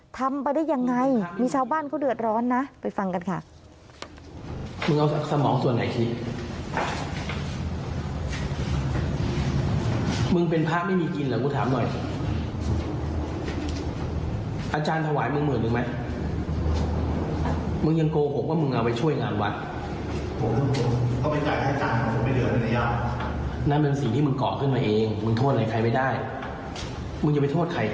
ทำไปได้ยังไงมีชาวบ้านเขาเดือดร้อนนะไปฟังกันค่ะ